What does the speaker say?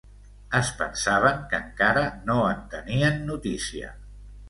Es pensaven que encara no en tenia notícia...